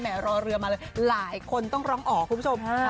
รอเรือมาเลยหลายคนต้องร้องอ๋อคุณผู้ชม